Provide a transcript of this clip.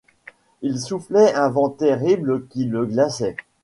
Il soufflait un vent terrible qui le glaçait.